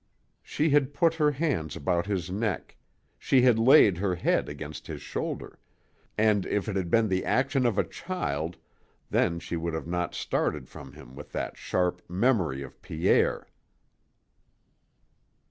She had put her hands about his neck, she had laid her head against his shoulder, and, if it had been the action of a child, then she would not have started from him with that sharp memory of Pierre.